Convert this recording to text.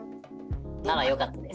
ならよかったです。